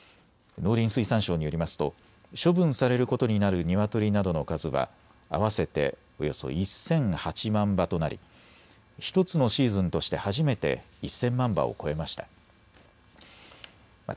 農林水産省によりますと処分されることになるニワトリなどの数は合わせておよそ１００８万羽となり、１つのシーズンとして初めて１０００万羽を超えました。